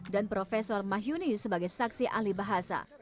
dan prof mahyuni sebagai saksi ahli bahasa